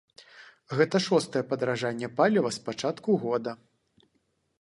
Гэта шостае падаражанне паліва з пачатку года.